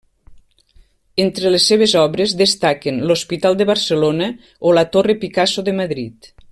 Entre les seves obres destaquen l’Hospital de Barcelona o la Torre Picasso de Madrid.